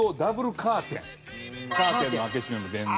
カーテンの開け閉めも電動。